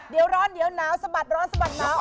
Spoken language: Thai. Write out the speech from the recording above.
เดี๋ยวร้อนเดี๋ยวหนาวสะบัดร้อนสะบัดหนาว